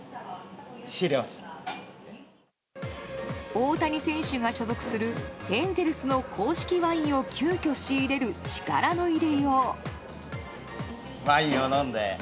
大谷選手が所属するエンゼルスの公式ワインを急きょ仕入れる力の入れよう。